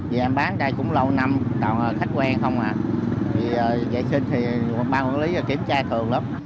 vì em bán đây cũng lâu năm khách quen không à vệ sinh thì ban quản lý kiểm tra thường lắm